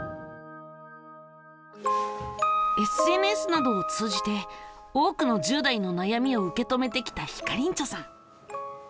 ＳＮＳなどを通じて多くの１０代の悩みを受け止めてきたひかりんちょさん。